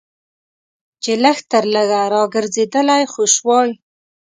چې لږ تر لږه راګرځېدلی خو شوای.